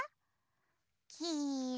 きいろ？